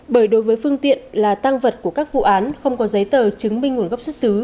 bởi đối với phương tiện là tăng vật của các vụ án không có giấy tờ chứng minh nguồn gốc xuất xứ